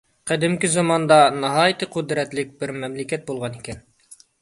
قەدىمكى زاماندا ناھايىتى قۇدرەتلىك بىر مەملىكەت بولغان ئىكەن.